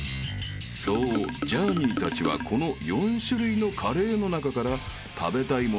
［そうジャーニーたちはこの４種類のカレーの中から］